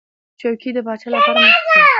چوکۍ د پاچا لپاره مخصوصه وه.